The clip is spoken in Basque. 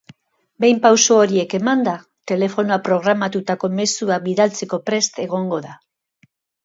Behin pausu horiek emanda, telefonoa programatutako mezuak bidaltzeko prest egongo da.